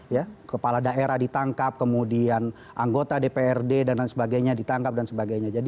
ya kepala daerah ditangkap kemudian anggota dprd dan lain sebagainya ditangkap dan sebagainya